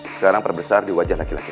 sekarang perbesar di wajah laki laki